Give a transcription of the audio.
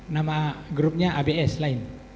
nama grupnya abs lain